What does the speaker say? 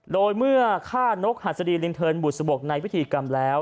โดยเมื่อฆ่านกหัสดีลิงเทินบุษบกในพิธีกรรมแล้ว